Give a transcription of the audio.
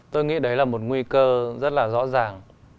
tôi nghĩ đấy là một nguy cơ rất là rõ ràng